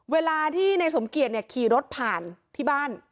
เวลาที่นายสมเกียจขี่รถผ่านที่บ้าน